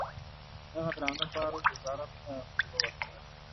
دغه درانه بار وزارت ته اوږه ورکړه.